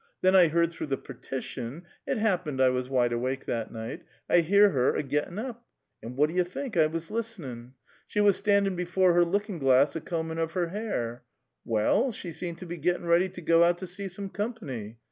Then 1 lieard through the partition (it happened I was wide awake that night) ; 1 hear her a gittin' up. And what do YOU think? 1 was list'nin'. She was a standhi' before her lookiu' glass a comhin' of her hair. Well [hw], she seemed to be gittin' ready to go out to sec some comp'ny.